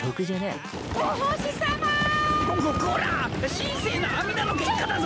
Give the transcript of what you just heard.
神聖なあみだの結果だぞ！